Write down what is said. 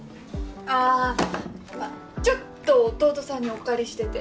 あまぁちょっと弟さんにお借りしてて。